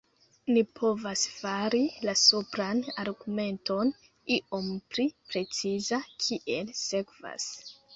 Ni povas fari la supran argumenton iom pli preciza kiel sekvas.